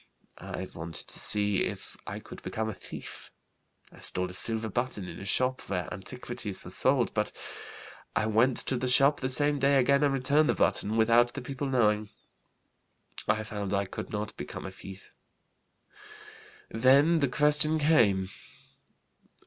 I wanted to see if I could become a thief. I stole a silver button in a shop where antiquities were sold, but I went to the shop the same day again and returned the button, without the people knowing. I found I could not become a thief. Then the question came.